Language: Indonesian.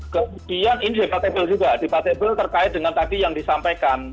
kemudian ini debatable juga debatable terkait dengan tadi yang disampaikan